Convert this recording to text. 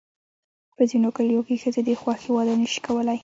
په ځینو کلیو کې ښځې د خوښې واده نه شي کولی.